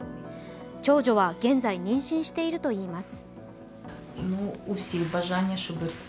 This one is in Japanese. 長女は現在、妊娠しているといいます。